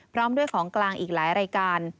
พร้อมด้วยของกลางอีกหลายรายการ